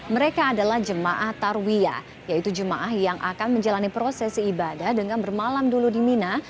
mereka adalah jemaah tarwiyah yaitu jemaah yang akan menjalani prosesi ibadah dengan bermalam dulu di mina